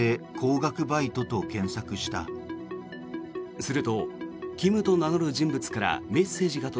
すると、キムと名乗る人物からメッセージが届